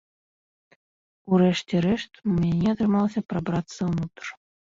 У рэшце рэшт, у мяне атрымалася прабрацца ўнутр.